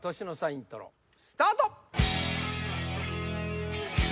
イントロスタート